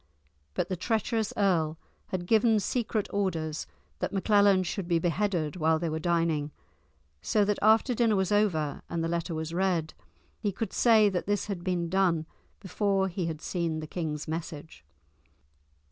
But the treacherous earl had given secret orders that Maclellan should be beheaded while they were dining, so that after dinner was over, and the letter was read, he could say that this had been done before he had seen the king's message.